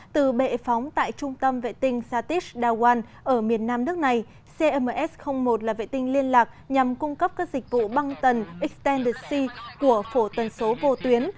từ bệ phóng tại trung tâm vệ tinh satish dhawan ở miền nam nước này cms một là vệ tinh liên lạc nhằm cung cấp các dịch vụ băng tần extended sea của phổ tần số vô tuyến